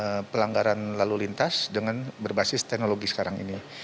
nah ini juga menunjukkan bahwa penindakan lalu lintas dengan berbasis teknologi sekarang ini